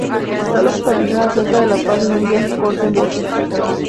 Está localizada cerca de La Paz en un viaje corto en bote.